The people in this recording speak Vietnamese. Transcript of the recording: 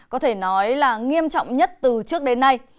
có thể nói là nghiêm trọng nhất từ trước đến nay